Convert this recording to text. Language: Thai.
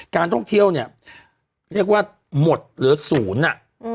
การท่องเที่ยวเนี่ยเรียกว่าหมดเหลือศูนย์อ่ะ